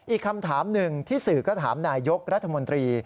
อีกคำถามหนึ่งที่สื่อก็ถามนายยกรัฐมนตรี